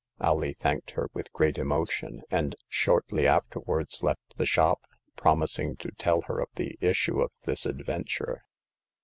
Alee thanked her with great emotion, and shortly afterwards left the shop, promising to tell her of the issue of this adventure.